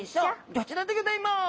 こちらでギョざいます！